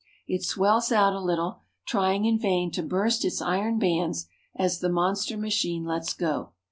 It swells out a little, trying in vain to burst its iron bands as the monster machine lets go.